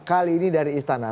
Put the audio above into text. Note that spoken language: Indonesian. kali ini dari istana